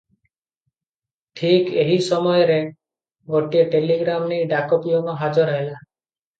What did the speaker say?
ଠିକ୍ ଏହି ସମୟରେ ଗୋଟିଏ ଟେଲିଗ୍ରାମ ନେଇ ଡାକ ପିଅନ ହାଜର ହେଲା ।